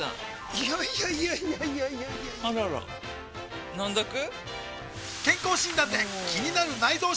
いやいやいやいやあらら飲んどく？